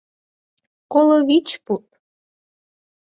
Коло вич пуд!